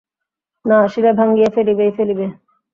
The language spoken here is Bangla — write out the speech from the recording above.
না আসিলে ভাঙিয়া ফেলিবেই ফেলিবে।